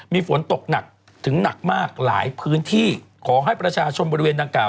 มีฝนตกหนักถึงหนักมากหลายพื้นที่ขอให้ประชาชนบริเวณดังกล่า